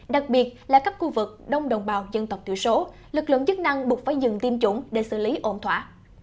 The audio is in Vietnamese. đặc biệt là các khu vực đông đồng bào dân tộc thiểu số lực lượng chức năng buộc phải dừng tiêm chủng để xử lý ổn thỏa